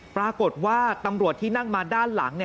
ปรากฏว่าตำรวจที่นั่งมาด้านหลัง